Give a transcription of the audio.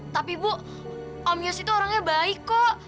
tapi bu om yos itu orangnya baik kok